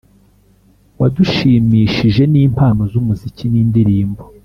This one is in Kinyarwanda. wadushimishije n'impano z'umuziki n'indirimbo